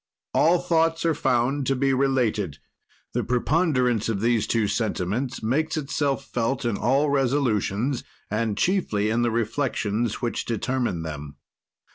"All thoughts are found to be related; the preponderance of these two sentiments makes itself felt in all resolutions, and chiefly in the reflections which determine them.